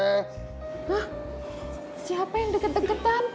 hah siapa yang deket deketan